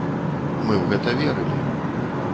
Мы ў гэта верылі!